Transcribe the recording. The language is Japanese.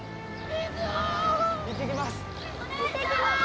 「いってきます」